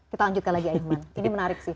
kita lanjutkan lagi ahilman ini menarik sih